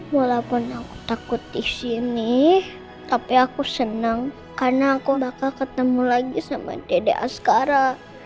walaupun aku takut di sini tapi aku senang karena aku udah gak ketemu lagi sama dede askara